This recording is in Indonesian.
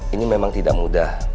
ini memang tidak mudah